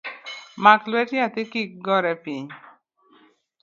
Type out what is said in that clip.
Mak lwet nyathi kik gore piny.